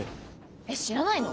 えっ知らないの？